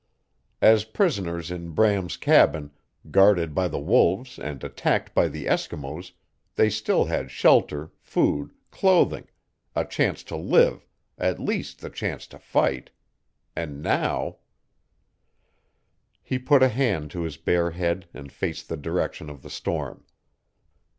As prisoners in Bram's cabin, guarded by the wolves and attacked by the Eskimos, they still had shelter, food, clothing a chance to live, at least the chance to fight. And now He put a hand to his bare head and faced the direction of the storm.